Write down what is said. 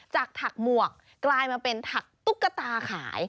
ถักหมวกกลายมาเป็นถักตุ๊กตาขาย